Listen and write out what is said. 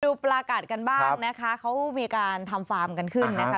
ดูปลากัดกันบ้างนะคะเขามีการทำฟาร์มกันขึ้นนะคะ